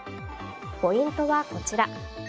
ポイントはこちら。